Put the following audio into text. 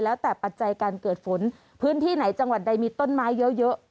แล้วแต่ปัจจัยการเกิดฝนพื้นที่ไหนจังหวัดใดมีต้นไม้เยอะ